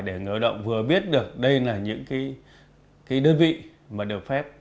để người lao động vừa biết được đây là những cái đơn vị mà được phép